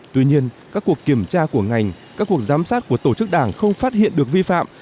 tuy nhiên các cuộc kiểm tra của ngành các cuộc giám sát của tổ chức đảng không phát hiện được vi phạm